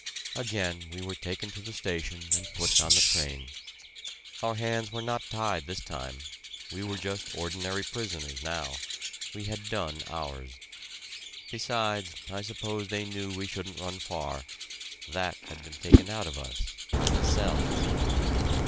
Again we were taken to the station and put on the train. Our hands were not tied this time; we were just ordinary prisoners now we had done ours. Besides, I suppose they knew we shouldn't run far that had been taken out of us by the "cells."